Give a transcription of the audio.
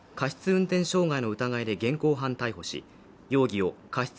運転傷害の疑いで現行犯逮捕し容疑を過失